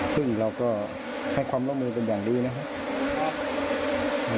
ซึ่งเราก็ให้ความร่วมมือเป็นอย่างดีนะครับ